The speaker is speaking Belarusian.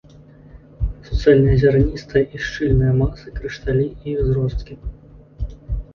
Суцэльныя зярністыя і шчыльныя масы, крышталі і іх зросткі.